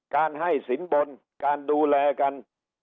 การให้สินบนการดูแลกัน